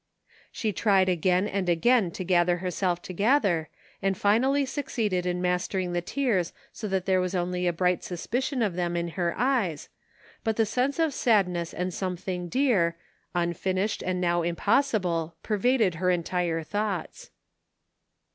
She tried agai^n and again to gather herself to gether, and finally succeeded in mastering the tears so that there was only a bright suspicion of them in her eyes, but the sense of sadness and something dear, un finished and now impossible, pervaded her entire thoughts.